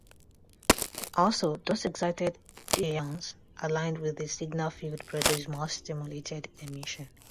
Also, those excited ions aligned with the signal field produce more stimulated emission.